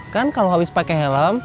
kan kalau habis pakai helm